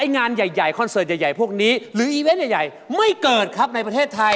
งานใหญ่คอนเสิร์ตใหญ่พวกนี้หรืออีเวนต์ใหญ่ไม่เกิดครับในประเทศไทย